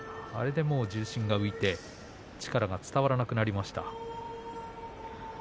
重心が浮いて力が伝わらなくなりました。